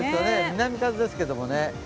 南風ですけれどもね。